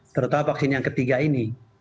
terutama vaksin yang ketiga ini